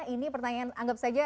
ini pertanyaan anggap saja